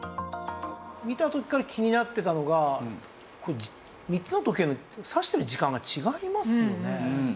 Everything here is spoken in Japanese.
見た時から気になってたのがこれ３つの時計の指してる時間が違いますよね。